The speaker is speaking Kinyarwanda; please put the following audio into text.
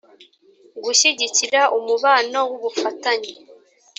gushyigikira umubano w ubufatanye